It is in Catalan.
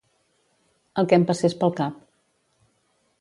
El que em passés pel cap.